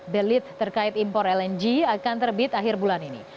belit terkait impor lng akan terbit akhir bulan ini